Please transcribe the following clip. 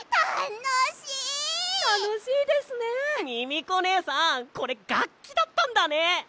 ミミコねえさんこれがっきだったんだね！